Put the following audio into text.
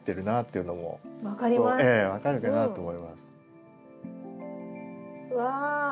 うわ！